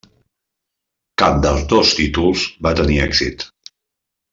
Cap dels dos títols va tenir èxit.